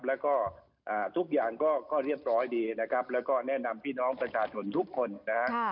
แล้วก็ทุกอย่างก็เรียบร้อยดีนะครับแล้วก็แนะนำพี่น้องประชาชนทุกคนนะฮะ